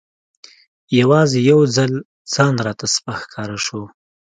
یوازې یو ځل ځان راته سپک ښکاره شو.